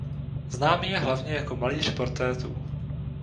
Známý je hlavně jako malíř portrétů.